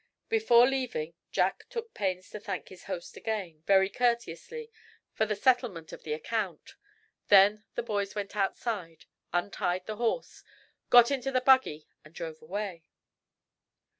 Before leaving, Jack took pains to thank his host again, very courteously, for the settlement of the account. Then the boys went outside, untied the horse, got into the buggy and drove away.